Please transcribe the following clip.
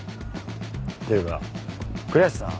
っていうか栗橋さん